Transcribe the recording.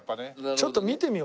ちょっと見てみようか。